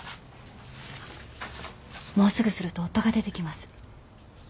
もうすぐすると夫が出てきます。